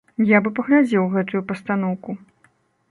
Я бы паглядзеў гэтую пастаноўку.